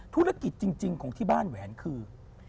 ธุรกิจจริงของที่บ้านแหวนคือ